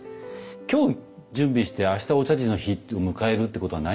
今日準備して明日お茶事の日を迎えるということはないんですよね。